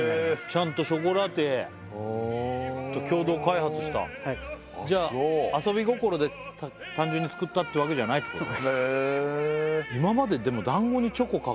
ちゃんとショコラティエと共同開発したじゃああっそう遊び心で単純に作ったってわけじゃないってこと？